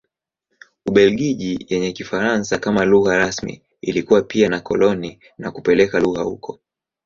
Ubelgiji yenye Kifaransa kama lugha rasmi ilikuwa pia na koloni na kupeleka lugha huko.